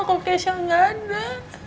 kalau kesia gak ada